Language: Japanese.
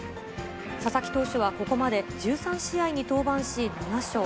佐々木投手はここまで１３試合に登板し７勝。